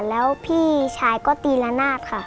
แล้วพี่ชายก็ตีละนาดค่ะ